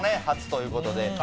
初ということで。